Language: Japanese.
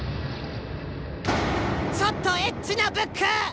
ちょっとエッチなブック！